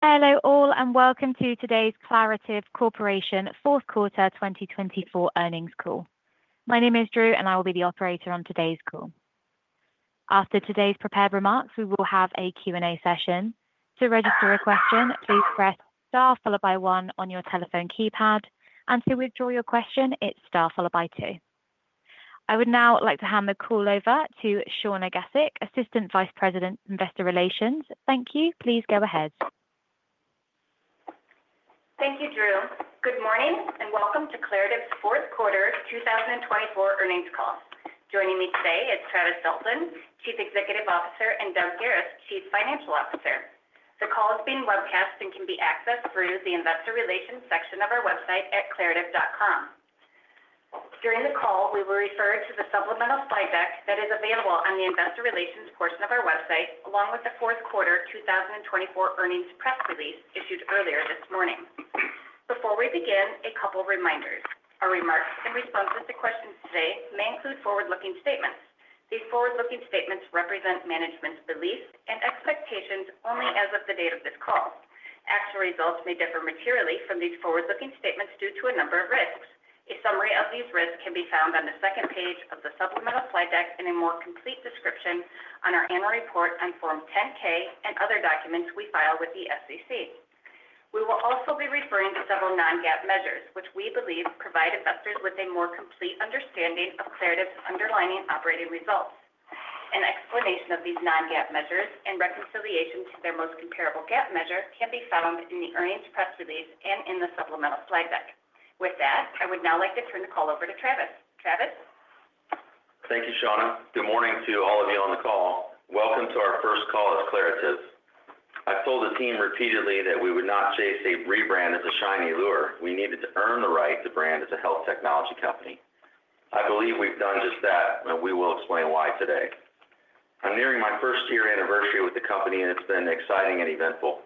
Hello all, and welcome to today's Claritev Corporation Fourth Quarter 2024 earnings call. My name is Drew, and I will be the operator on today's call. After today's prepared remarks, we will have a Q&A session. To register a question, please press star followed by one on your telephone keypad, and to withdraw your question, it's star followed by two. I would now like to hand the call over to Shawna Gasik, Assistant Vice President, Investor Relations. Thank you. Please go ahead. Thank you, Drew. Good morning and welcome to Claritev's Fourth Quarter 2024 earnings call. Joining me today is Travis Dalton, Chief Executive Officer, and Doug Garis, Chief Financial Officer. The call is being webcast and can be accessed through the Investor Relations section of our website at claritev.com. During the call, we will refer to the supplemental slide deck that is available on the Investor Relations portion of our website, along with the Fourth Quarter 2024 earnings press release issued earlier this morning. Before we begin, a couple of reminders. Our remarks and responses to questions today may include forward-looking statements. These forward-looking statements represent management's beliefs and expectations only as of the date of this call. Actual results may differ materially from these forward-looking statements due to a number of risks. A summary of these risks can be found on the second page of the supplemental slide deck in a more complete description on our annual report on Form 10-K and other documents we file with the SEC. We will also be referring to several non-GAAP measures, which we believe provide investors with a more complete understanding of Claritev's underlying operating results. An explanation of these non-GAAP measures and reconciliations to their most comparable GAAP measures can be found in the earnings press release and in the supplemental slide deck. With that, I would now like to turn the call over to Travis. Travis? Thank you, Shawna. Good morning to all of you on the call. Welcome to our first call at Claritev. I've told the team repeatedly that we would not chase a rebrand as a shiny allure. We needed to earn the right to brand as a health technology company. I believe we've done just that, and we will explain why today. I'm nearing my first-year anniversary with the company, and it's been exciting and eventful.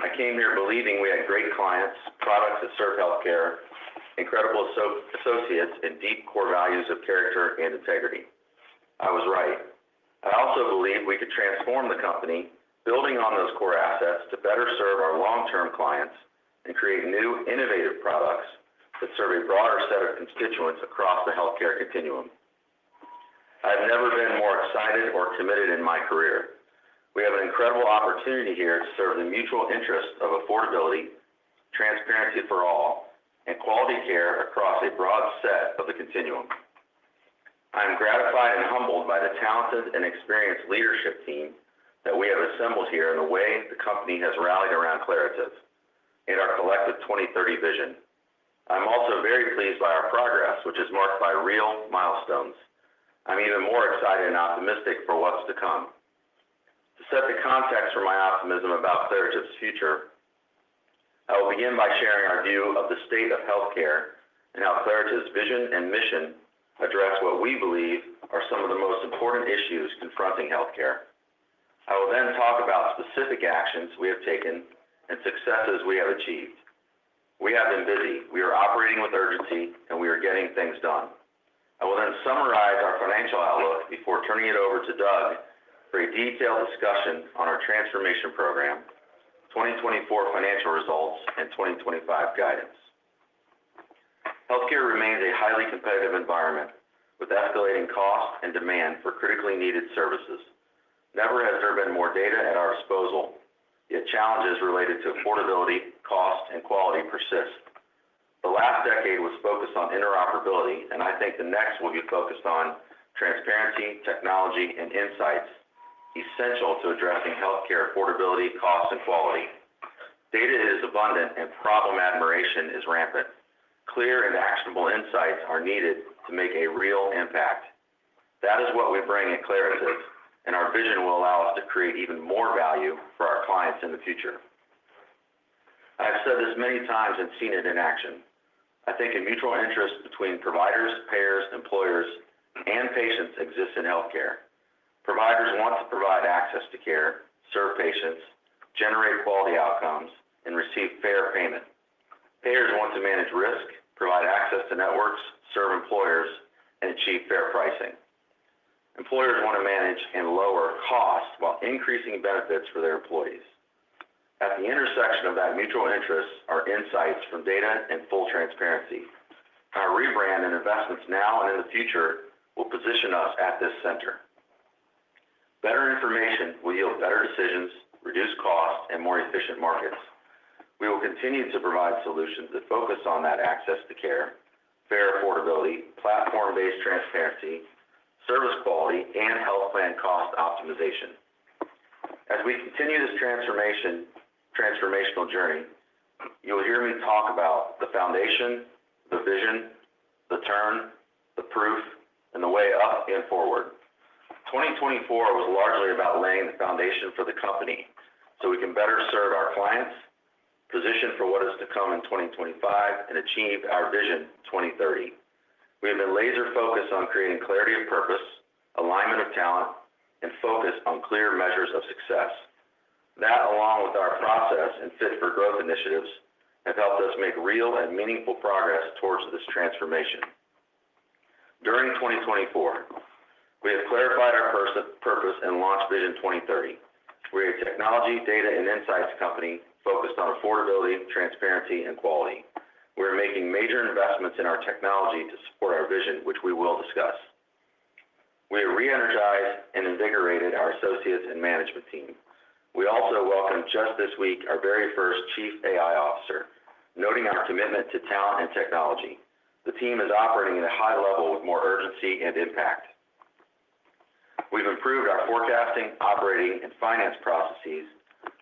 I came here believing we had great clients, products that serve healthcare, incredible associates, and deep core values of character and integrity. I was right. I also believe we could transform the company, building on those core assets, to better serve our long-term clients and create new, innovative products that serve a broader set of constituents across the healthcare continuum. I've never been more excited or committed in my career. We have an incredible opportunity here to serve the mutual interests of affordability, transparency for all, and quality care across a broad set of the continuum. I'm gratified and humbled by the talented and experienced leadership team that we have assembled here and the way the company has rallied around Claritev and our collective 2030 vision. I'm also very pleased by our progress, which is marked by real milestones. I'm even more excited and optimistic for what's to come. To set the context for my optimism about Claritev's future, I will begin by sharing our view of the state of healthcare and how Claritev's vision and mission address what we believe are some of the most important issues confronting healthcare. I will then talk about specific actions we have taken and successes we have achieved. We have been busy. We are operating with urgency, and we are getting things done. I will then summarize our financial outlook before turning it over to Doug for a detailed discussion on our transformation program, 2024 financial results, and 2025 guidance. Healthcare remains a highly competitive environment with escalating costs and demand for critically needed services. Never has there been more data at our disposal, yet challenges related to affordability, cost, and quality persist. The last decade was focused on interoperability, and I think the next will be focused on transparency, technology, and insights essential to addressing healthcare affordability, cost, and quality. Data is abundant, and problem admiration is rampant. Clear and actionable insights are needed to make a real impact. That is what we bring at Claritev, and our vision will allow us to create even more value for our clients in the future. I have said this many times and seen it in action. I think a mutual interest between providers, payers, employers, and patients exists in healthcare. Providers want to provide access to care, serve patients, generate quality outcomes, and receive fair payment. Payers want to manage risk, provide access to networks, serve employers, and achieve fair pricing. Employers want to manage and lower costs while increasing benefits for their employees. At the intersection of that mutual interest are insights from data and full transparency. Our rebrand and investments now and in the future will position us at this center. Better information will yield better decisions, reduce costs, and more efficient markets. We will continue to provide solutions that focus on that access to care, fair affordability, platform-based transparency, service quality, and health plan cost optimization. As we continue this transformational journey, you will hear me talk about the foundation, the vision, the turn, the proof, and the way up and forward. 2024 was largely about laying the foundation for the company so we can better serve our clients, position for what is to come in 2025, and achieve our Vision 2030. We have been laser-focused on creating clarity of purpose, alignment of talent, and focus on clear measures of success. That, along with our process and fit for growth initiatives, have helped us make real and meaningful progress towards this transformation. During 2024, we have clarified our purpose and launched Vision 2030. We are a technology, data, and insights company focused on affordability, transparency, and quality. We are making major investments in our technology to support our vision, which we will discuss. We have re-energized and invigorated our associates and management team. We also welcomed just this week our very first Chief AI Officer, noting our commitment to talent and technology. The team is operating at a high level with more urgency and impact. We've improved our forecasting, operating, and finance processes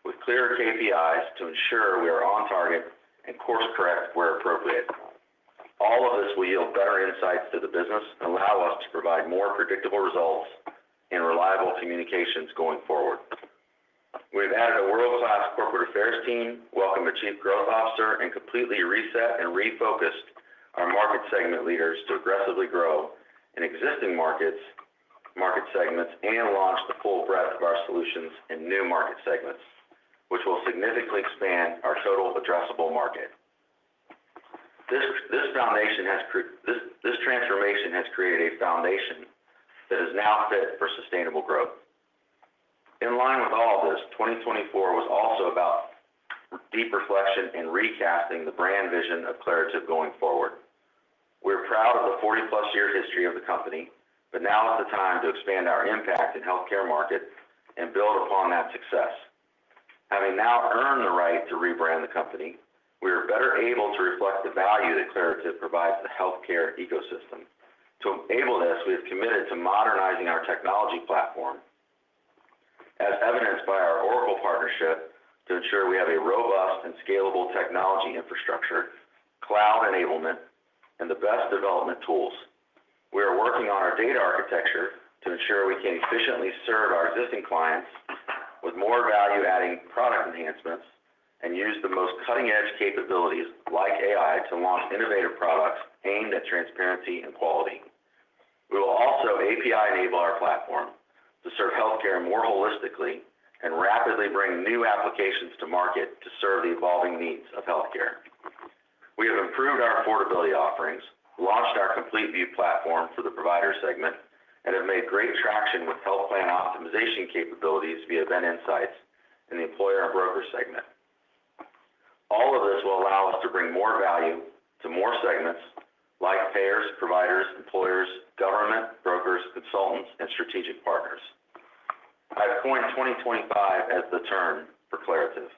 with clearer KPIs to ensure we are on target and course-correct where appropriate. All of this will yield better insights to the business and allow us to provide more predictable results and reliable communications going forward. We have added a world-class corporate affairs team, welcomed a Chief Growth Officer, and completely reset and refocused our market segment leaders to aggressively grow in existing markets and launch the full breadth of our solutions in new market segments, which will significantly expand our total addressable market. This transformation has created a foundation that is now fit for sustainable growth. In line with all of this, 2024 was also about deep reflection and recasting the brand vision of Claritev going forward. We are proud of the 40-plus year history of the company, but now is the time to expand our impact in the healthcare market and build upon that success. Having now earned the right to rebrand the company, we are better able to reflect the value that Claritev provides to the healthcare ecosystem. To enable this, we have committed to modernizing our technology platform, as evidenced by our Oracle partnership to ensure we have a robust and scalable technology infrastructure, cloud enablement, and the best development tools. We are working on our data architecture to ensure we can efficiently serve our existing clients with more value-adding product enhancements and use the most cutting-edge capabilities like AI to launch innovative products aimed at transparency and quality. We will also API-enable our platform to serve healthcare more holistically and rapidly bring new applications to market to serve the evolving needs of healthcare. We have improved our affordability offerings, launched our CompleteVue platform for the provider segment, and have made great traction with health plan optimization capabilities via BenInsights in the employer and broker segment. All of this will allow us to bring more value to more segments like payers, providers, employers, government, brokers, consultants, and strategic partners. I point to 2025 as the turn for Claritev.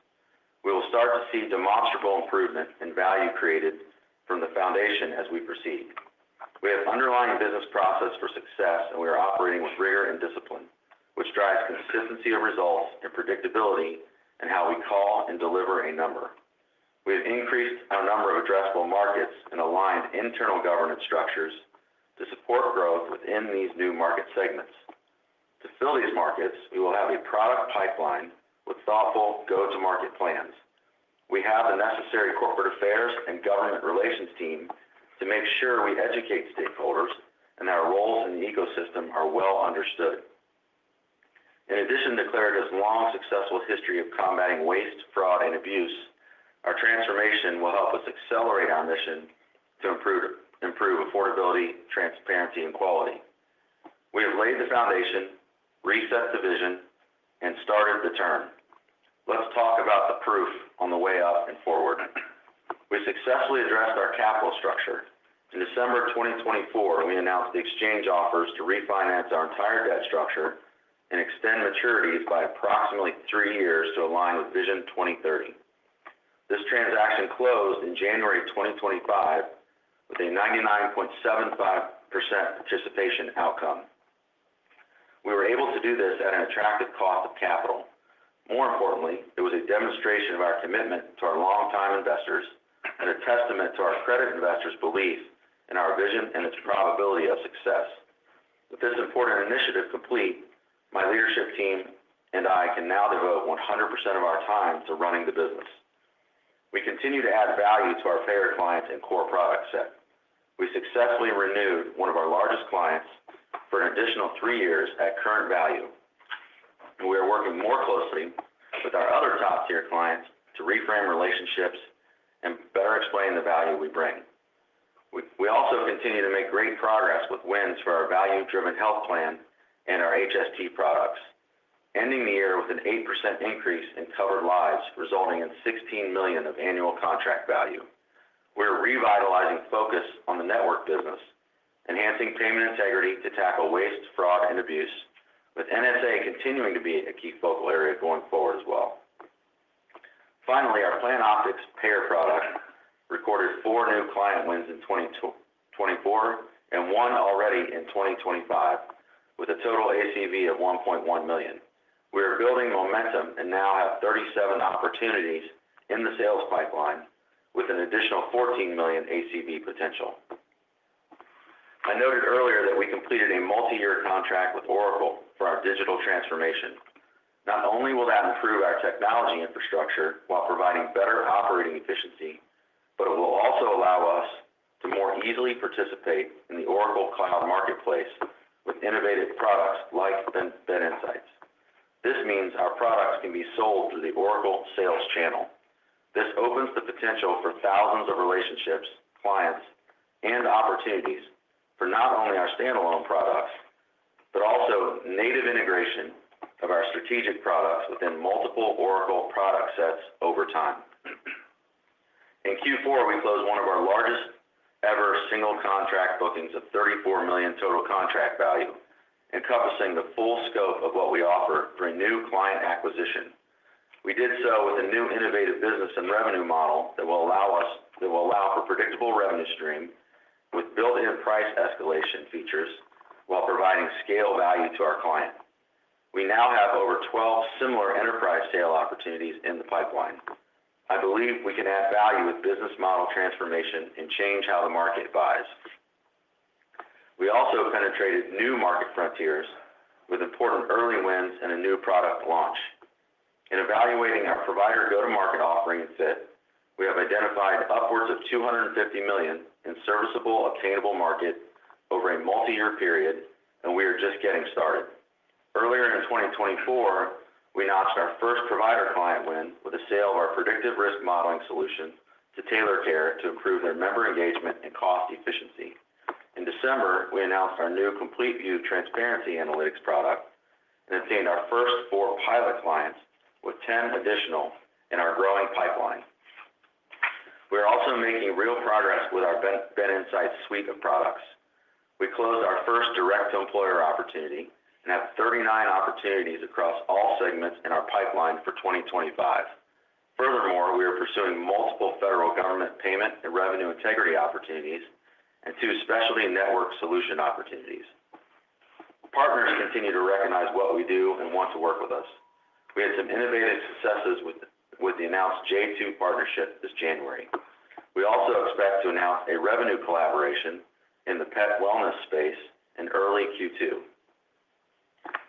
We will start to see demonstrable improvement in value created from the foundation as we proceed. We have outlined business processes for success, and we are operating with rigor and discipline, which drives consistency of results and predictability in how we call and deliver a number. We have increased our number of addressable markets and aligned internal governance structures to support growth within these new market segments. To fill these markets, we will have a product pipeline with thoughtful go-to-market plans. We have the necessary corporate affairs and government relations team to make sure we educate stakeholders and that our roles in the ecosystem are well understood. In addition to Claritev's long, successful history of combating waste, fraud, and abuse, our transformation will help us accelerate our mission to improve affordability, transparency, and quality. We have laid the foundation, reset the vision, and started the turn. Let's talk about the proof on the way up and forward. We successfully addressed our capital structure. In December 2024, we announced the exchange offers to refinance our entire debt structure and extend maturities by approximately three years to align with Vision 2030. This transaction closed in January 2025 with a 99.75% participation outcome. We were able to do this at an attractive cost of capital. More importantly, it was a demonstration of our commitment to our longtime investors and a testament to our credit investors' belief in our vision and its probability of success. With this important initiative complete, my leadership team and I can now devote 100% of our time to running the business. We continue to add value to our payer clients and core product set. We successfully renewed one of our largest clients for an additional three years at current value. We are working more closely with our other top-tier clients to reframe relationships and better explain the value we bring. We also continue to make great progress with wins for our value-driven health plan and our HST products, ending the year with an 8% increase in covered lives, resulting in $16 million of annual contract value. We are revitalizing focus on the network business, enhancing payment integrity to tackle waste, fraud, and abuse, with NSA continuing to be a key focal area going forward as well. Finally, our PlanOptix payer product recorded four new client wins in 2024 and one already in 2025, with a total ACV of $1.1 million. We are building momentum and now have 37 opportunities in the sales pipeline with an additional $14 million ACV potential. I noted earlier that we completed a multi-year contract with Oracle for our digital transformation. Not only will that improve our technology infrastructure while providing better operating efficiency, but it will also allow us to more easily participate in the Oracle Cloud Marketplace with innovative products like BenInsights. This means our products can be sold through the Oracle sales channel. This opens the potential for thousands of relationships, clients, and opportunities for not only our standalone products, but also native integration of our strategic products within multiple Oracle product sets over time. In Q4, we closed one of our largest ever single contract bookings of $34 million total contract value, encompassing the full scope of what we offer for new client acquisition. We did so with a new innovative business and revenue model that will allow for a predictable revenue stream with built-in price escalation features while providing scale value to our client. We now have over 12 similar enterprise sale opportunities in the pipeline. I believe we can add value with business model transformation and change how the market buys. We also penetrated new market frontiers with important early wins and a new product launch. In evaluating our provider go-to-market offering and fit, we have identified upwards of $250 million in serviceable obtainable market over a multi-year period, and we are just getting started. Earlier in 2024, we notched our first provider client win with a sale of our predictive risk modeling solution to TailorCare to improve their member engagement and cost efficiency. In December, we announced our new CompleteVue transparency analytics product and obtained our first four pilot clients with 10 additional in our growing pipeline. We are also making real progress with our BenInsights suite of products. We closed our first direct-to-employer opportunity and have 39 opportunities across all segments in our pipeline for 2025. Furthermore, we are pursuing multiple federal government payment and revenue integrity opportunities and two specialty network solution opportunities. Partners continue to recognize what we do and want to work with us. We had some innovative successes with the announced J2 partnership this January. We also expect to announce a revenue collaboration in the pet wellness space in early Q2.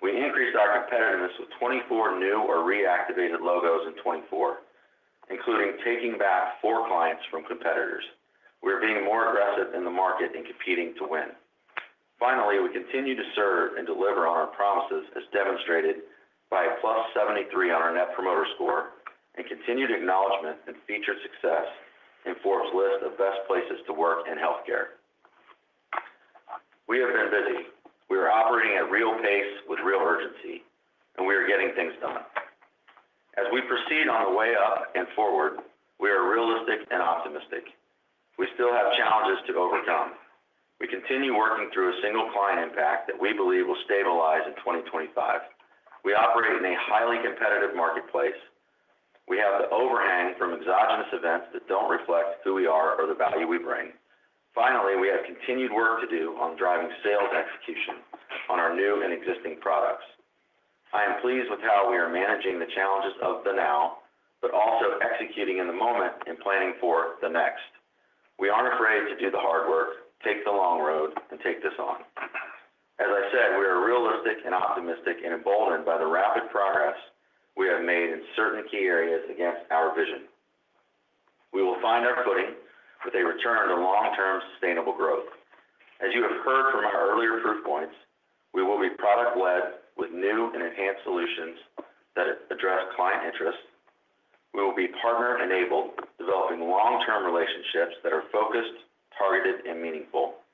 We increased our competitiveness with 24 new or reactivated logos in 2024, including taking back four clients from competitors. We are being more aggressive in the market and competing to win. Finally, we continue to serve and deliver on our promises as demonstrated by a plus 73 on our Net Promoter Score and continued acknowledgment and featured success in Forbes' list of best places to work in healthcare. We have been busy. We are operating at real pace with real urgency, and we are getting things done. As we proceed on the way up and forward, we are realistic and optimistic. We still have challenges to overcome. We continue working through a single client impact that we believe will stabilize in 2025. We operate in a highly competitive marketplace. We have the overhang from exogenous events that don't reflect who we are or the value we bring. Finally, we have continued work to do on driving sales execution on our new and existing products. I am pleased with how we are managing the challenges of the now, but also executing in the moment and planning for the next. We aren't afraid to do the hard work, take the long road, and take this on. As I said, we are realistic and optimistic and emboldened by the rapid progress we have made in certain key areas against our vision. We will find our footing with a return to long-term sustainable growth. As you have heard from our earlier proof points, we will be product-led with new and enhanced solutions that address client interests. We will be partner-enabled, developing long-term relationships that are focused, targeted, and meaningful,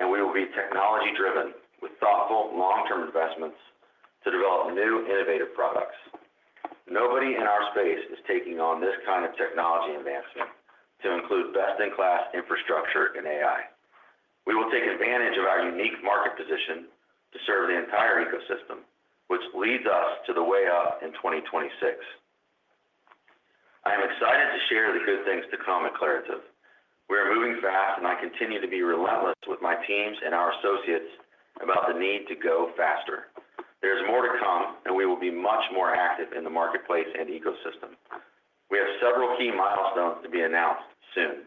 and we will be technology-driven with thoughtful long-term investments to develop new innovative products. Nobody in our space is taking on this kind of technology advancement to include best-in-class infrastructure in AI. We will take advantage of our unique market position to serve the entire ecosystem, which leads us to the way up in 2026. I am excited to share the good things to come at Claritev. We are moving fast, and I continue to be relentless with my teams and our associates about the need to go faster. There is more to come, and we will be much more active in the marketplace and ecosystem. We have several key milestones to be announced soon.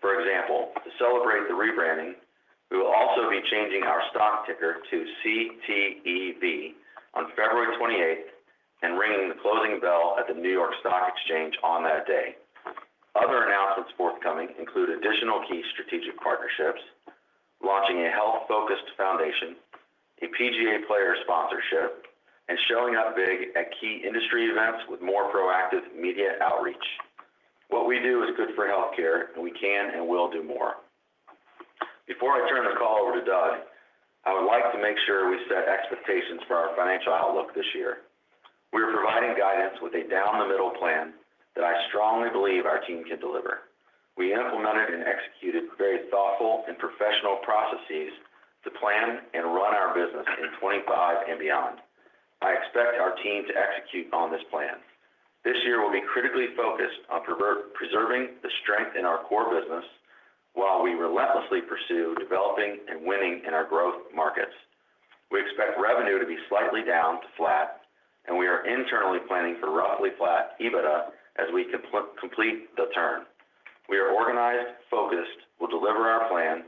For example, to celebrate the rebranding, we will also be changing our stock ticker to CTEV on February 28th and ringing the closing bell at the New York Stock Exchange on that day. Other announcements forthcoming include additional key strategic partnerships, launching a health-focused foundation, a PGA Player sponsorship, and showing up big at key industry events with more proactive media outreach. What we do is good for healthcare, and we can and will do more. Before I turn the call over to Doug, I would like to make sure we set expectations for our financial outlook this year. We are providing guidance with a down-the-middle plan that I strongly believe our team can deliver. We implemented and executed very thoughtful and professional processes to plan and run our business in 2025 and beyond. I expect our team to execute on this plan. This year, we'll be critically focused on preserving the strength in our core business while we relentlessly pursue developing and winning in our growth markets. We expect revenue to be slightly down to flat, and we are internally planning for roughly flat EBITDA as we complete the turn. We are organized, focused, will deliver our plan,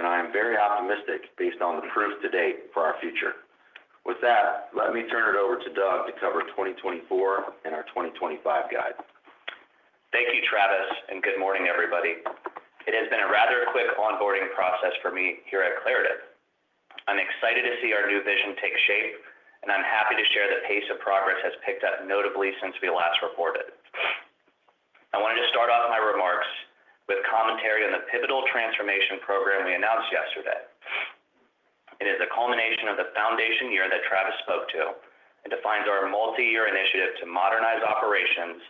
and I am very optimistic based on the proof to date for our future. With that, let me turn it over to Doug to cover 2024 and our 2025 guide. Thank you, Travis, and good morning, everybody. It has been a rather quick onboarding process for me here at Claritev. I'm excited to see our new vision take shape, and I'm happy to share the pace of progress has picked up notably since we last reported. I wanted to start off my remarks with commentary on the pivotal transformation program we announced yesterday. It is the culmination of the foundation year that Travis spoke to and defines our multi-year initiative to modernize operations,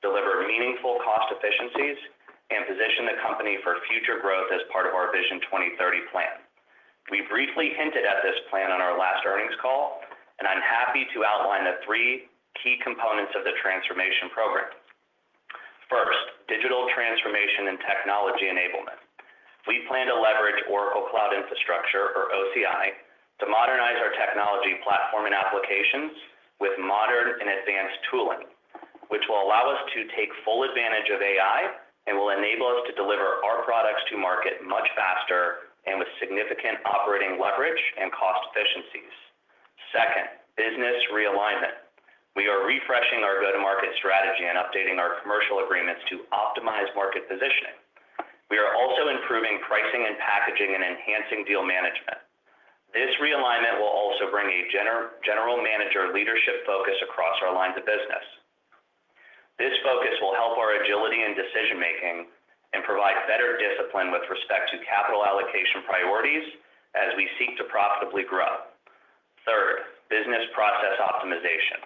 deliver meaningful cost efficiencies, and position the company for future growth as part of our Vision 2030 plan. We briefly hinted at this plan on our last earnings call, and I'm happy to outline the three key components of the transformation program. First, digital transformation and technology enablement. We plan to leverage Oracle Cloud Infrastructure, or OCI, to modernize our technology platform and applications with modern and advanced tooling, which will allow us to take full advantage of AI and will enable us to deliver our products to market much faster and with significant operating leverage and cost efficiencies. Second, business realignment. We are refreshing our go-to-market strategy and updating our commercial agreements to optimize market positioning. We are also improving pricing and packaging and enhancing deal management. This realignment will also bring a general manager leadership focus across our lines of business. This focus will help our agility and decision-making and provide better discipline with respect to capital allocation priorities as we seek to profitably grow. Third, business process optimization.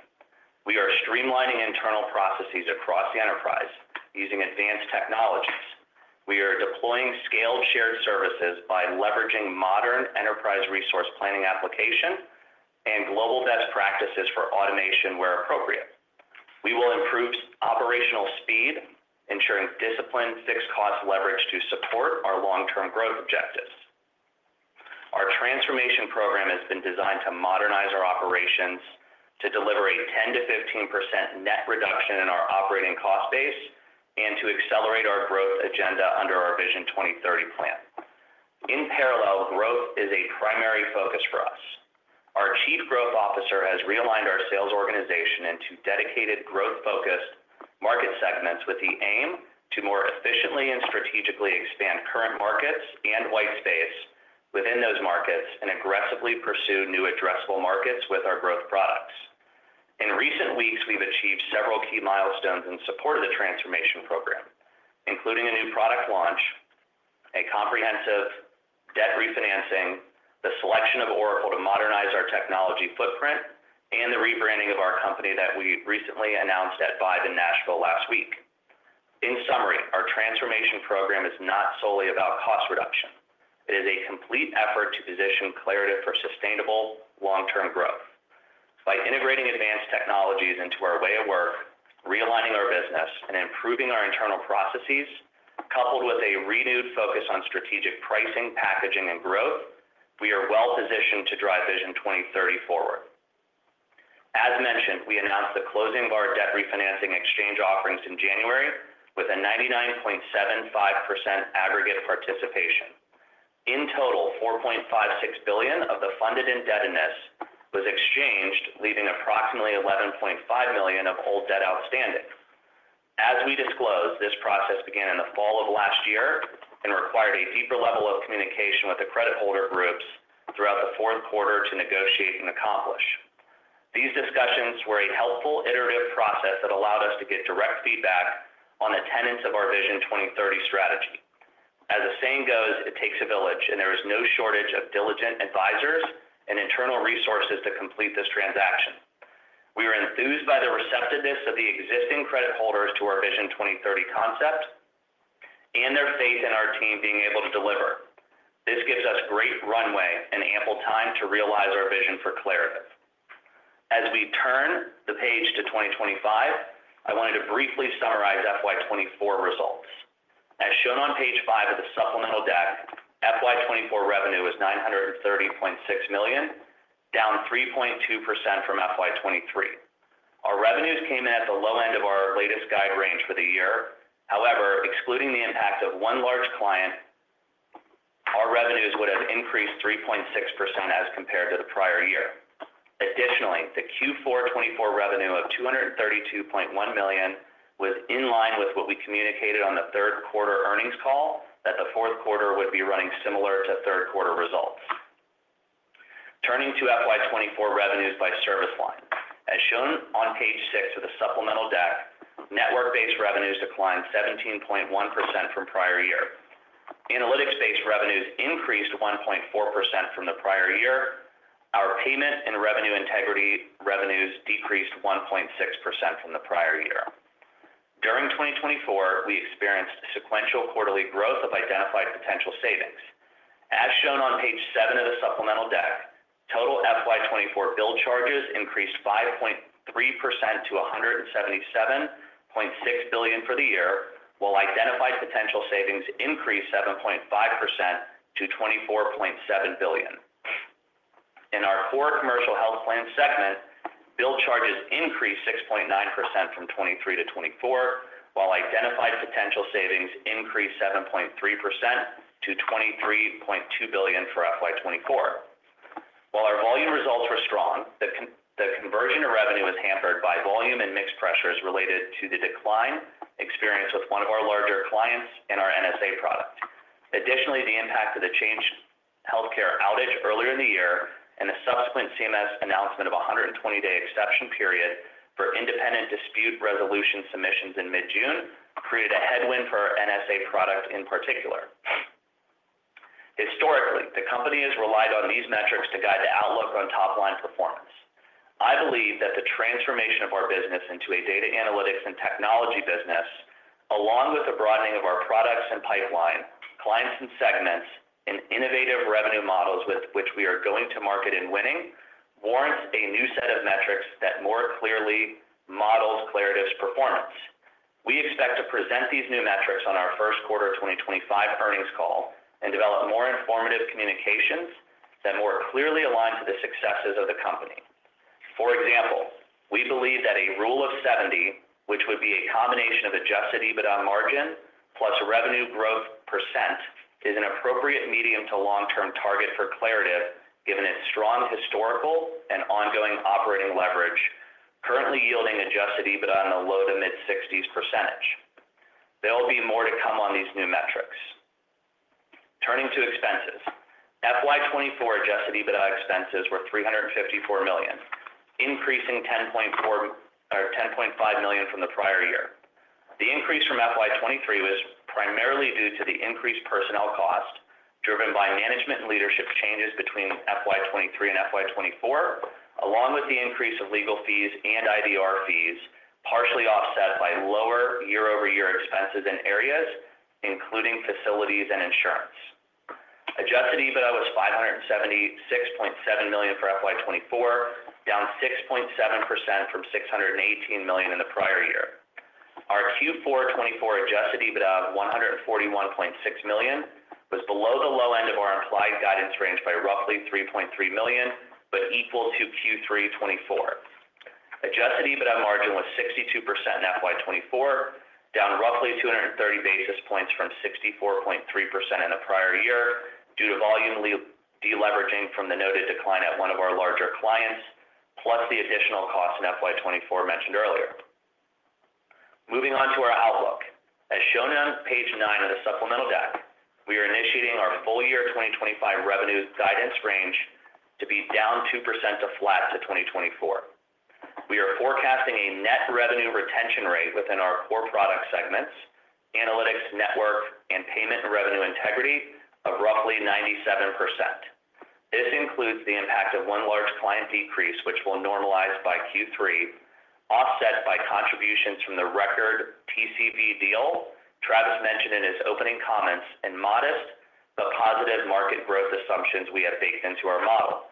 We are streamlining internal processes across the enterprise using advanced technologies. We are deploying scaled shared services by leveraging modern enterprise resource planning application and global best practices for automation where appropriate. We will improve operational speed, ensuring disciplined fixed-cost leverage to support our long-term growth objectives. Our transformation program has been designed to modernize our operations, to deliver a 10%-15% net reduction in our operating cost base, and to accelerate our growth agenda under our Vision 2030 plan. In parallel, growth is a primary focus for us. Our Chief Growth Officer has realigned our sales organization into dedicated growth-focused market segments with the aim to more efficiently and strategically expand current markets and white space within those markets and aggressively pursue new addressable markets with our growth products. In recent weeks, we've achieved several key milestones in support of the transformation program, including a new product launch, a comprehensive debt refinancing, the selection of Oracle to modernize our technology footprint, and the rebranding of our company that we recently announced at ViVE in Nashville last week. In summary, our transformation program is not solely about cost reduction. It is a complete effort to position Claritev for sustainable long-term growth. By integrating advanced technologies into our way of work, realigning our business, and improving our internal processes, coupled with a renewed focus on strategic pricing, packaging, and growth, we are well-positioned to drive Vision 2030 forward. As mentioned, we announced the closing of our debt refinancing exchange offerings in January with a 99.75% aggregate participation. In total, $4.56 billion of the funded indebtedness was exchanged, leaving approximately $11.5 million of old debt outstanding. As we disclosed, this process began in the fall of last year and required a deeper level of communication with the credit holder groups throughout the fourth quarter to negotiate and accomplish. These discussions were a helpful iterative process that allowed us to get direct feedback on the tenets of our Vision 2030 strategy. As the saying goes, it takes a village, and there is no shortage of diligent advisors and internal resources to complete this transaction. We are enthused by the receptiveness of the existing credit holders to our Vision 2030 concept and their faith in our team being able to deliver. This gives us great runway and ample time to realize our vision for Claritev. As we turn the page to 2025, I wanted to briefly summarize FY 2024 results. As shown on page five of the supplemental deck, FY 2024 revenue is $930.6 million, down 3.2% from FY 2023. Our revenues came in at the low end of our latest guide range for the year. However, excluding the impact of one large client, our revenues would have increased 3.6% as compared to the prior year. Additionally, the Q4 2024 revenue of $232.1 million was in line with what we communicated on the third quarter earnings call that the fourth quarter would be running similar to third quarter results. Turning to FY 2024 revenues by service line. As shown on page six of the supplemental deck, network-based revenues declined 17.1% from prior year. Analytics-based revenues increased 1.4% from the prior year. Our payment and revenue integrity revenues decreased 1.6% from the prior year. During 2024, we experienced sequential quarterly growth of identified potential savings. As shown on page seven of the supplemental deck, total FY 2024 bill charges increased 5.3% to $177.6 billion for the year, while identified potential savings increased 7.5% to $24.7 billion. In our core commercial health plan segment, bill charges increased 6.9% from 2023 to 2024, while identified potential savings increased 7.3% to $23.2 billion for FY 2024. While our volume results were strong, the conversion of revenue was hampered by volume and mixed pressures related to the decline experienced with one of our larger clients and our NSA product. Additionally, the impact of the Change Healthcare outage earlier in the year and the subsequent CMS announcement of a 120-day exception period for independent dispute resolution submissions in mid-June created a headwind for our NSA product in particular. Historically, the company has relied on these metrics to guide the outlook on top-line performance. I believe that the transformation of our business into a data analytics and technology business, along with the broadening of our products and pipeline, clients and segments, and innovative revenue models with which we are going to market and winning, warrants a new set of metrics that more clearly models Claritev's performance. We expect to present these new metrics on our first quarter 2025 earnings call and develop more informative communications that more clearly align to the successes of the company. For example, we believe that a Rule of 70, which would be a combination of adjusted EBITDA margin plus revenue growth percentage, is an appropriate medium to long-term target for Claritev given its strong historical and ongoing operating leverage, currently yielding adjusted EBITDA in the low to mid-60%. There will be more to come on these new metrics. Turning to expenses. FY 2024 adjusted EBITDA expenses were $354 million, increasing $10.5 million from the prior year. The increase from FY 2023 was primarily due to the increased personnel cost driven by management and leadership changes between FY 2023 and FY 2024, along with the increase of legal fees and IDR fees, partially offset by lower year-over-year expenses in areas including facilities and insurance. Adjusted EBITDA was $576.7 million for FY 2024, down 6.7% from $618 million in the prior year. Our Q4 2024 adjusted EBITDA of $141.6 million was below the low end of our implied guidance range by roughly $3.3 million, but equal to Q3 2024. Adjusted EBITDA margin was 62% in FY 2024, down roughly 230 basis points from 64.3% in the prior year due to volume deleveraging from the noted decline at one of our larger clients, plus the additional cost in FY 2024 mentioned earlier. Moving on to our outlook. As shown on page nine of the supplemental deck, we are initiating our full year 2025 revenue guidance range to be down 2% to flat to 2024. We are forecasting a net revenue retention rate within our core product segments, analytics, network, and payment and revenue integrity of roughly 97%. This includes the impact of one large client decrease, which will normalize by Q3, offset by contributions from the record TCV deal Travis mentioned in his opening comments and modest but positive market growth assumptions we have baked into our model.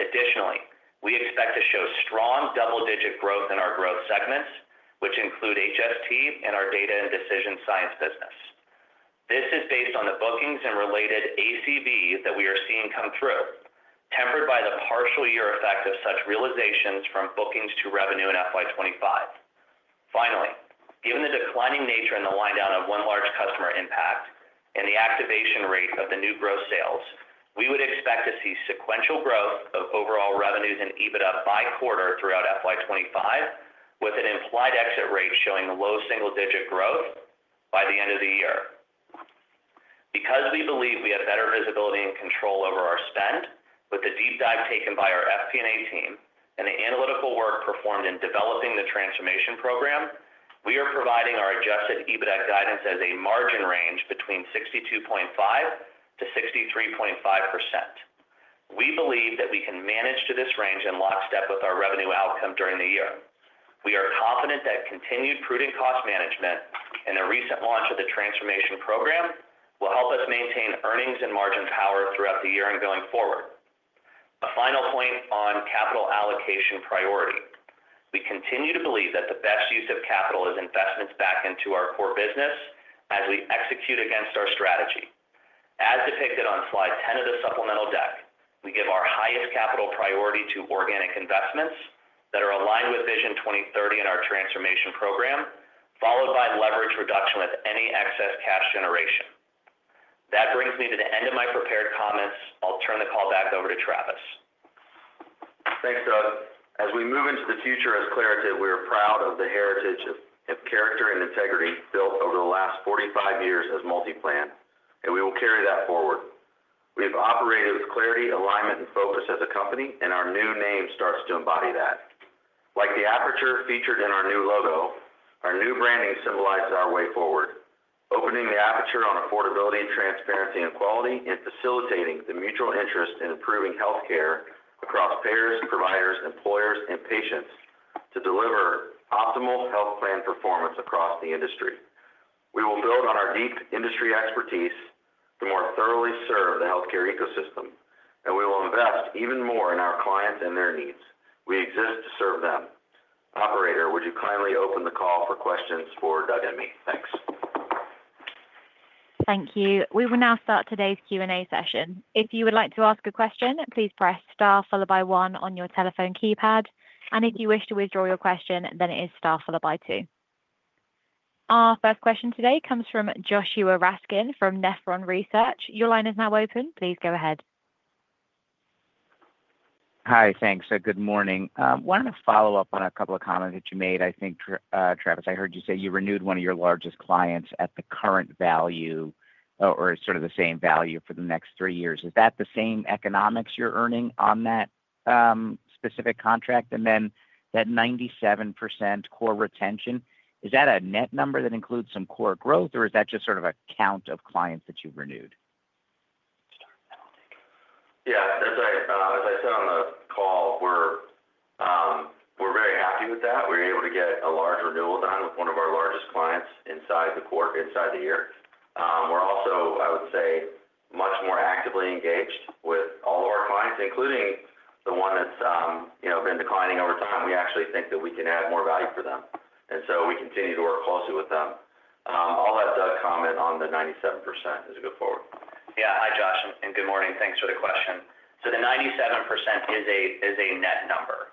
Additionally, we expect to show strong double-digit growth in our growth segments, which include HST and our Data and Decision Science business. This is based on the bookings and related ACV that we are seeing come through, tempered by the partial year effect of such realizations from bookings to revenue in FY 2025. Finally, given the declining nature and the wind down of one large customer impact and the activation rate of the new gross sales, we would expect to see sequential growth of overall revenues and EBITDA by quarter throughout FY 2025, with an implied exit rate showing low single-digit growth by the end of the year. Because we believe we have better visibility and control over our spend, with the deep dive taken by our FP&A team and the analytical work performed in developing the transformation program, we are providing our Adjusted EBITDA guidance as a margin range between 62.5%-63.5%. We believe that we can manage to this range and lockstep with our revenue outcome during the year. We are confident that continued prudent cost management and the recent launch of the transformation program will help us maintain earnings and margin power throughout the year and going forward. A final point on capital allocation priority. We continue to believe that the best use of capital is investments back into our core business as we execute against our strategy. As depicted on slide 10 of the supplemental deck, we give our highest capital priority to organic investments that are aligned with Vision 2030 and our transformation program, followed by leverage reduction with any excess cash generation. That brings me to the end of my prepared comments. I'll turn the call back over to Travis. Thanks, Doug. As we move into the future as Claritev, we are proud of the heritage of character and integrity built over the last 45 years as MultiPlan, and we will carry that forward. We have operated with clarity, alignment, and focus as a company, and our new name starts to embody that. Like the aperture featured in our new logo, our new branding symbolizes our way forward, opening the aperture on affordability, transparency, and quality, and facilitating the mutual interest in improving healthcare across payers, providers, employers, and patients to deliver optimal health plan performance across the industry. We will build on our deep industry expertise to more thoroughly serve the healthcare ecosystem, and we will invest even more in our clients and their needs. We exist to serve them. Operator, would you kindly open the call for questions for Doug and me? Thanks. Thank you. We will now start today's Q&A session. If you would like to ask a question, please press star followed by one on your telephone keypad, and if you wish to withdraw your question, then it is star followed by two. Our first question today comes from Joshua Raskin from Nephron Research. Your line is now open. Please go ahead. Hi, thanks. Good morning. I wanted to follow up on a couple of comments that you made, I think, Travis. I heard you say you renewed one of your largest clients at the current value or sort of the same value for the next three years. Is that the same economics you're earning on that specific contract? And then that 97% core retention, is that a net number that includes some core growth, or is that just sort of a count of clients that you've renewed? Yeah. As I said on the call, we're very happy with that. We were able to get a large renewal done with one of our largest clients inside the quarter, inside the year. We're also, I would say, much more actively engaged with all of our clients, including the one that's been declining over time. We actually think that we can add more value for them. And so we continue to work closely with them. I'll let Doug comment on the 97% as we go forward. Yeah. Hi, Josh, and good morning. Thanks for the question. So the 97% is a net number.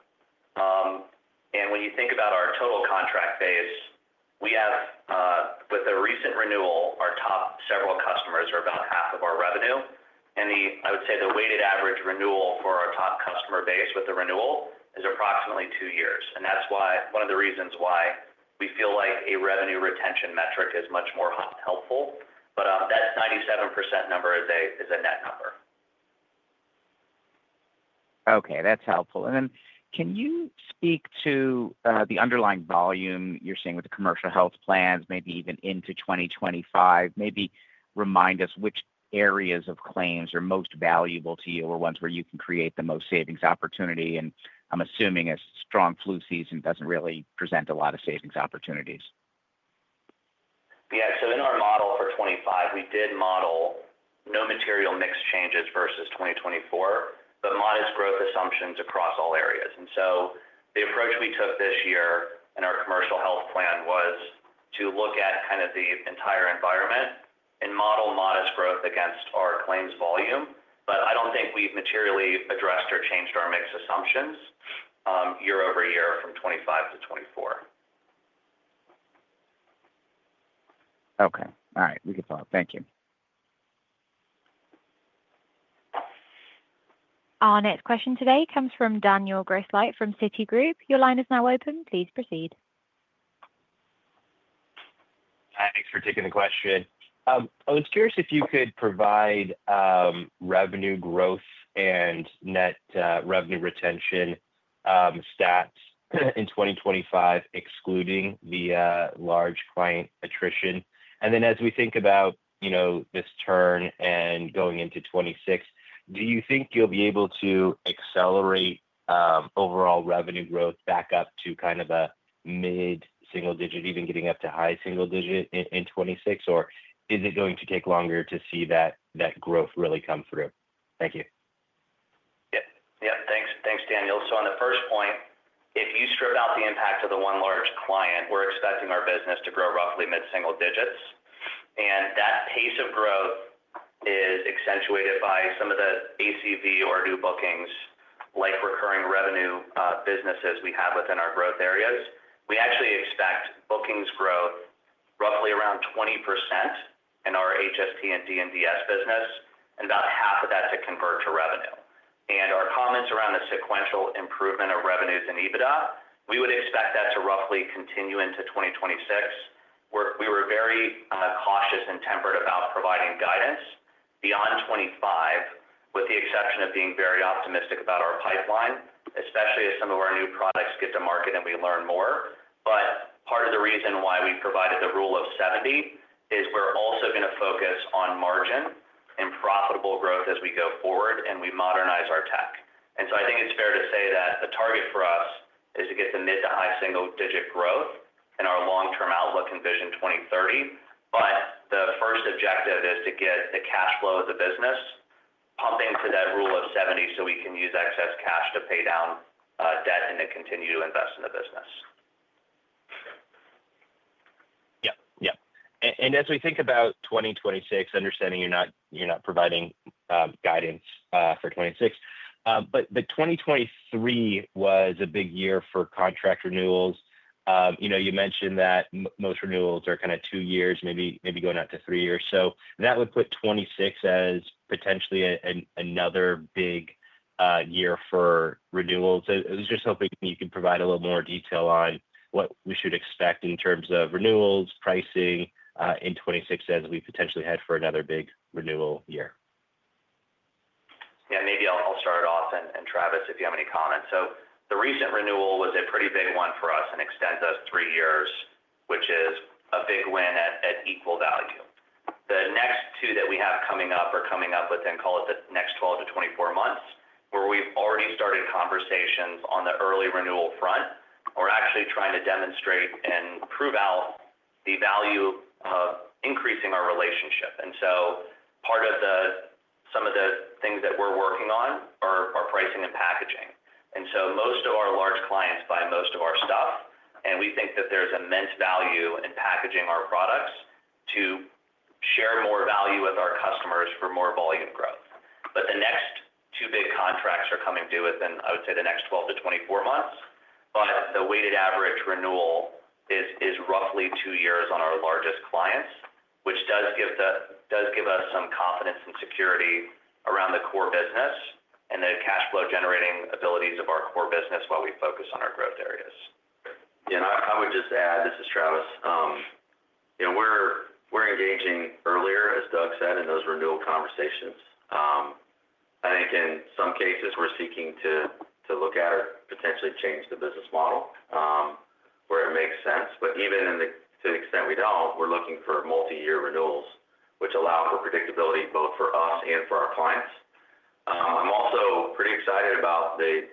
And when you think about our total contract base, we have, with a recent renewal, our top several customers are about half of our revenue. And I would say the weighted average renewal for our top customer base with the renewal is approximately two years. And that's why one of the reasons why we feel like a revenue retention metric is much more helpful. But that 97% number is a net number. Okay. That's helpful. And then can you speak to the underlying volume you're seeing with the commercial health plans, maybe even into 2025? Maybe remind us which areas of claims are most valuable to you or ones where you can create the most savings opportunity? And I'm assuming a strong flu season doesn't really present a lot of savings opportunities. Yeah. So in our model for 2025, we did model no material mix changes versus 2024, but modest growth assumptions across all areas. And so the approach we took this year in our commercial health plan was to look at kind of the entire environment and model modest growth against our claims volume. But I don't think we've materially addressed or changed our mix assumptions year over year from 2025 to 2024. Okay. All right. We can follow up. Thank you. Our next question today comes from Daniel Grosslight from Citigroup. Your line is now open. Please proceed. Thanks for taking the question. I was curious if you could provide revenue growth and net revenue retention stats in 2025, excluding the large client attrition. And then as we think about this turn and going into 2026, do you think you'll be able to accelerate overall revenue growth back up to kind of a mid-single digit, even getting up to high single digit in 2026, or is it going to take longer to see that growth really come through? Thank you. Yeah. Yeah. Thanks, Daniel. So on the first point, if you strip out the impact of the one large client, we're expecting our business to grow roughly mid-single digits. And that pace of growth is accentuated by some of the ACV or new bookings, like recurring revenue businesses we have within our growth areas. We actually expect bookings growth roughly around 20% in our HST and D&DS business, and about half of that to convert to revenue. And our comments around the sequential improvement of revenues and EBITDA, we would expect that to roughly continue into 2026. We were very cautious and tempered about providing guidance beyond 2025, with the exception of being very optimistic about our pipeline, especially as some of our new products get to market and we learn more. But part of the reason why we provided the Rule of 70 is we're also going to focus on margin and profitable growth as we go forward and we modernize our tech. And so I think it's fair to say that the target for us is to get the mid to high single-digit growth in our long-term outlook in Vision 2030. But the first objective is to get the cash flow of the business pumping to that Rule of 70 so we can use excess cash to pay down debt and to continue to invest in the business. Yeah. Yeah. And as we think about 2026, understanding you're not providing guidance for 2026, but 2023 was a big year for contract renewals. You mentioned that most renewals are kind of two years, maybe going out to three years. So that would put 2026 as potentially another big year for renewals. I was just hoping you could provide a little more detail on what we should expect in terms of renewals, pricing in 2026 as we potentially head for another big renewal year. Yeah. Maybe I'll start it off, and Travis, if you have any comments, so the recent renewal was a pretty big one for us and extends us three years, which is a big win at equal value. The next two that we have coming up are coming up within call it the next 12-24 months, where we've already started conversations on the early renewal front. We're actually trying to demonstrate and prove out the value of increasing our relationship. And so part of some of the things that we're working on are pricing and packaging. And so most of our large clients buy most of our stuff, and we think that there's immense value in packaging our products to share more value with our customers for more volume growth, but the next two big contracts are coming due within, I would say, the next 12-24 months. But the weighted average renewal is roughly two years on our largest clients, which does give us some confidence and security around the core business and the cash flow generating abilities of our core business while we focus on our growth areas. Yeah, and I would just add, this is Travis. We're engaging earlier, as Doug said, in those renewal conversations. I think in some cases, we're seeking to look at or potentially change the business model where it makes sense, but even to the extent we don't, we're looking for multi-year renewals, which allow for predictability both for us and for our clients. I'm also pretty excited about. We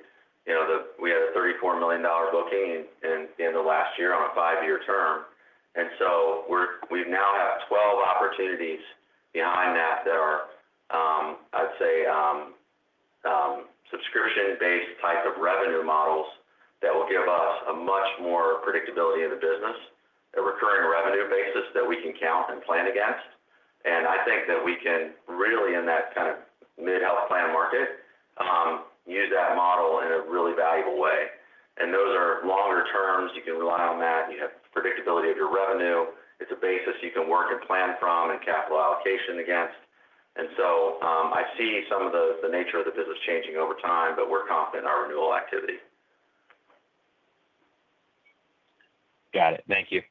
had a $34 million booking in the last year on a five-year term. And so we now have 12 opportunities behind that that are, I'd say, subscription-based type of revenue models that will give us a much more predictability in the business, a recurring revenue basis that we can count and plan against. And I think that we can really, in that kind of mid-health plan market, use that model in a really valuable way. And those are longer terms. You can rely on that. You have predictability of your revenue. It's a basis you can work and plan from and capital allocation against. And so I see some of the nature of the business changing over time, but we're confident in our renewal activity. Got it. Thank you.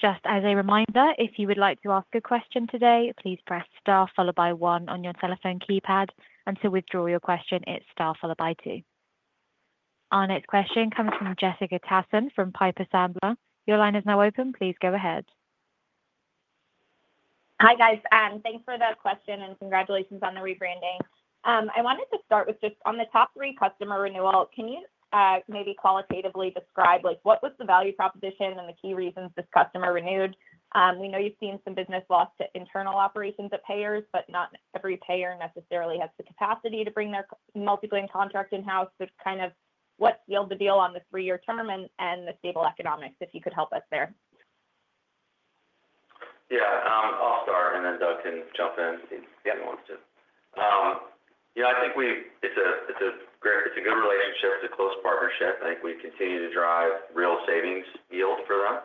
Just as a reminder, if you would like to ask a question today, please press star followed by one on your telephone keypad. And to withdraw your question, it's star followed by two. Our next question comes from Jessica Tassin from Piper Sandler. Your line is now open. Please go ahead. Hi, guys. Thanks for that question, and congratulations on the rebranding. I wanted to start with just on the top three customer renewal, can you maybe qualitatively describe what was the value proposition and the key reasons this customer renewed? We know you've seen some business loss to internal operations at payers, but not every payer necessarily has the capacity to bring their MultiPlan contract in-house. So kind of what sealed the deal on the three-year term and the stable economics, if you could help us there? Yeah. I'll start, and then Doug can jump in if he wants to. I think it's a good relationship, it's a close partnership. I think we continue to drive real savings yield for them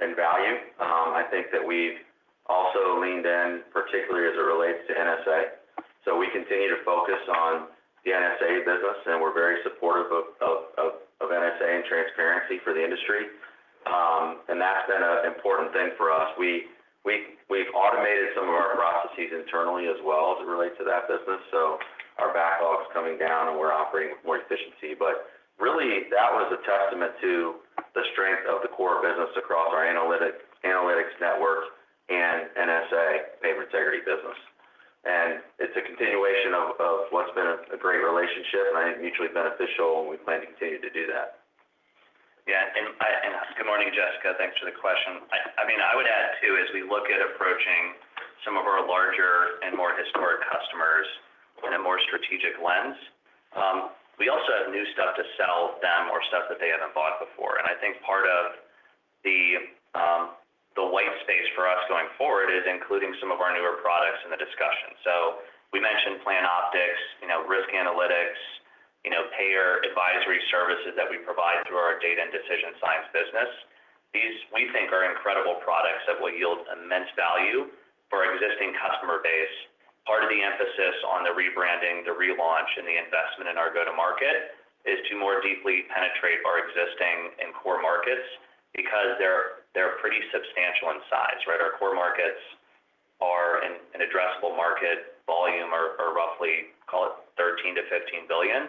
and value. I think that we've also leaned in, particularly as it relates to NSA, so we continue to focus on the NSA business, and we're very supportive of NSA and transparency for the industry, and that's been an important thing for us. We've automated some of our processes internally as well as it relates to that business, so our backlog's coming down, and we're operating with more efficiency, but really, that was a testament to the strength of the core business across our analytics network and NSA payment integrity business, and it's a continuation of what's been a great relationship, and I think mutually beneficial, and we plan to continue to do that. Yeah. And good morning, Jessica. Thanks for the question. I mean, I would add too, as we look at approaching some of our larger and more historic customers in a more strategic lens, we also have new stuff to sell them or stuff that they haven't bought before. And I think part of the white space for us going forward is including some of our newer products in the discussion. So we mentioned PlanOptix, Risk Analytics, Payer Advisory Services that we provide through our Data and Decision Science business. These, we think, are incredible products that will yield immense value for our existing customer base. Part of the emphasis on the rebranding, the relaunch, and the investment in our go-to-market is to more deeply penetrate our existing and core markets because they're pretty substantial in size, right? Our core markets are an addressable market volume of roughly, call it, $13 billion-$15 billion,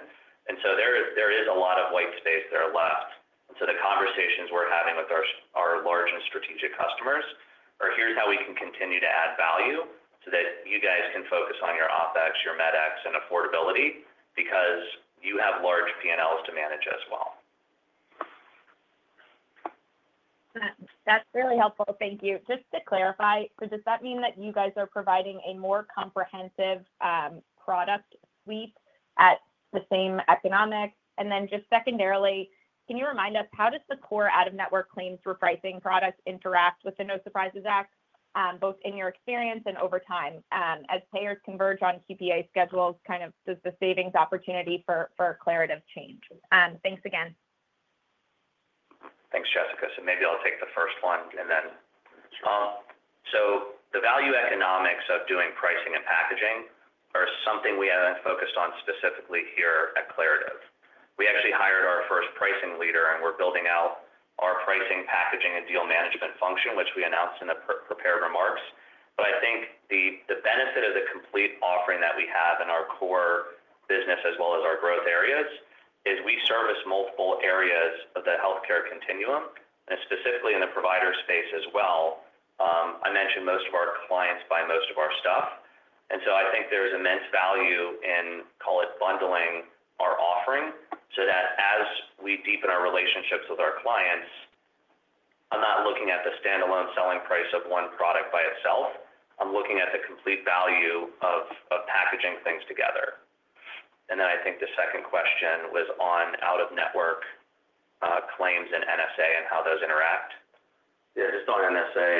and so there is a lot of white space there left, and so the conversations we're having with our large and strategic customers are, "Here's how we can continue to add value so that you guys can focus on your OpEx, your MedEx, and affordability because you have large P&Ls to manage as well. That's really helpful. Thank you. Just to clarify, so does that mean that you guys are providing a more comprehensive product suite at the same economic? And then just secondarily, can you remind us, how does the core out-of-network claims repricing product interact with the No Surprises Act, both in your experience and over time? As payers converge on TPA schedules, kind of does the savings opportunity for Claritev change? Thanks again. Thanks, Jessica. So maybe I'll take the first one and then. So the value economics of doing pricing and packaging are something we haven't focused on specifically here at Claritev. We actually hired our first pricing leader, and we're building out our pricing, packaging, and deal management function, which we announced in the prepared remarks. But I think the benefit of the complete offering that we have in our core business as well as our growth areas is we service multiple areas of the healthcare continuum, and specifically in the provider space as well. I mentioned most of our clients buy most of our stuff. And so I think there's immense value in, call it, bundling our offering so that as we deepen our relationships with our clients, I'm not looking at the standalone selling price of one product by itself. I'm looking at the complete value of packaging things together. And then I think the second question was on out-of-network claims and NSA and how those interact. Yeah. Just on NSA,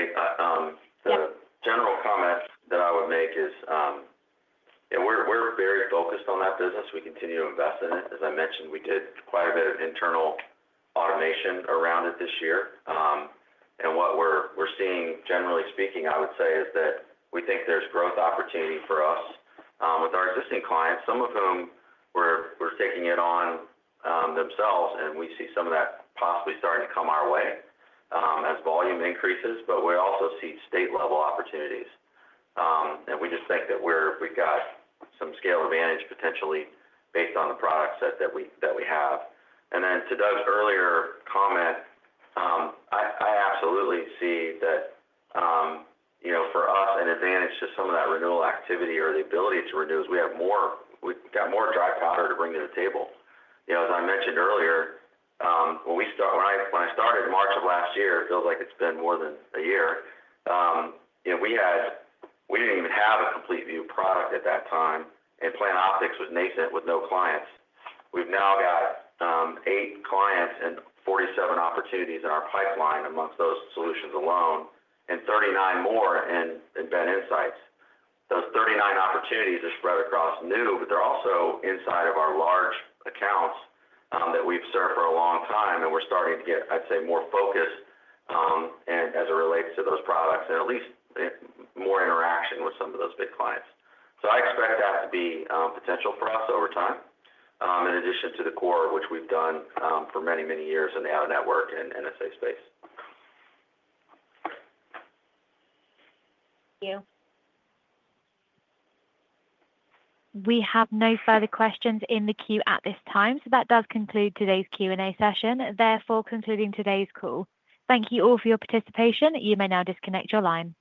the general comment that I would make is we're very focused on that business. We continue to invest in it. As I mentioned, we did quite a bit of internal automation around it this year. And what we're seeing, generally speaking, I would say, is that we think there's growth opportunity for us with our existing clients, some of whom were taking it on themselves, and we see some of that possibly starting to come our way as volume increases. But we also see state-level opportunities. And we just think that we've got some scale advantage potentially based on the products that we have. And then to Doug's earlier comment, I absolutely see that for us, an advantage to some of that renewal activity or the ability to renew is we have more dry powder to bring to the table. As I mentioned earlier, when I started March of last year, it feels like it's been more than a year. We didn't even have a complete new product at that time, and PlanOptix was nascent with no clients. We've now got eight clients and 47 opportunities in our pipeline amongst those solutions alone and 39 more in BenInsights. Those 39 opportunities are spread across new, but they're also inside of our large accounts that we've served for a long time, and we're starting to get, I'd say, more focus as it relates to those products and at least more interaction with some of those big clients, so I expect that to be potential for us over time, in addition to the core, which we've done for many, many years in the out-of-network and NSA space. Thank you. We have no further questions in the queue at this time. So that does conclude today's Q&A session. Therefore, concluding today's call. Thank you all for your participation. You may now disconnect your line.